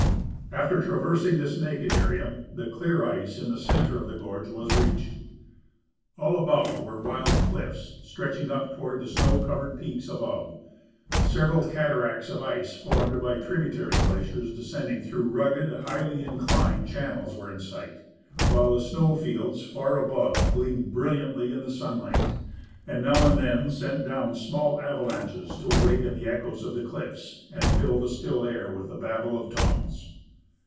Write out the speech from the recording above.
After traversing this naked area the clear ice in the center of the gorge was reached. All about were wild cliffs, stretching uj) toward the snow covered peaks al:)Ove ; several cataracts of ice, formed by tributary glaciers descending through rugged, highly inclined channels, were in sight ; while the snow fields far above gleamed brilliantly in the sunlight, and now and then sent down small avalanches to awaken the echoes of the cliffs and fill the still air with a Babel of tongues.